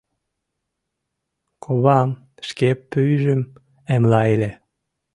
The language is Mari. Ковам шке пӱйжым эмла ыле.